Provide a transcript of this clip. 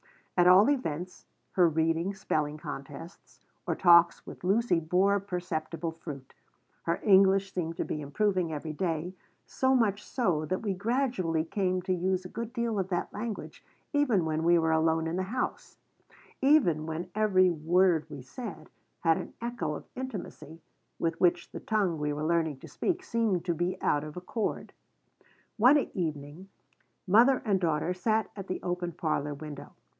At all events, her readings, spelling contests, or talks with Lucy bore perceptible fruit. Her English seemed to be improving every day, so much so that we gradually came to use a good deal of that language even when we were alone in the house; even when every word we said had an echo of intimacy with which the tongue we were learning to speak seemed to be out of accord One evening mother and daughter sat at the open parlor window.